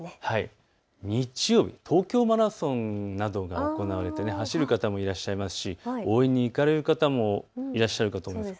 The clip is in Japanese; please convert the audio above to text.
日曜日、東京マラソンなどが行われて走る方もいらっしゃいますし応援に行かれる方もいらっしゃるかと思います。